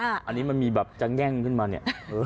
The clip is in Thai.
อันนี้มันมีแบบจะแง่งขึ้นมาเนี่ย